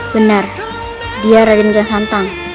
bener dia raden dian santang